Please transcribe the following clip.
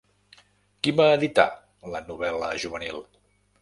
Qui va editar la novel·la juvenil?